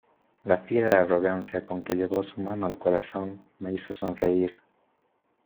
la fiera arrogancia con que llevó su mano al corazón, me hizo sonreír